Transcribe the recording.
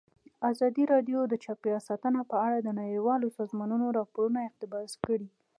ازادي راډیو د چاپیریال ساتنه په اړه د نړیوالو سازمانونو راپورونه اقتباس کړي.